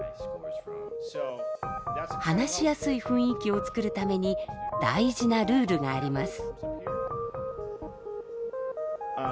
話しやすい雰囲気を作るために大事なルールがあります。